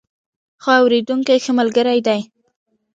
ښه اورېدونکي ښه ملګري دي.